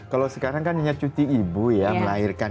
kalau sekarang kan hanya cuti ibu ya melahirkan